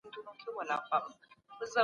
د ادب او ساینس اړيکې په څېړنه کې معلومیږي.